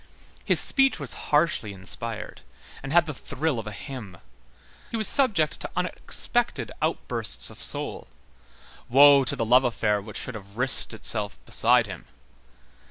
His speech was harshly inspired, and had the thrill of a hymn. He was subject to unexpected outbursts of soul. Woe to the love affair which should have risked itself beside him!